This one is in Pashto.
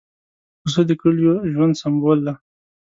پسه د کلیو ژوند سمبول دی.